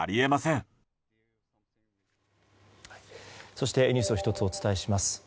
そしてニュースを１つお伝えします。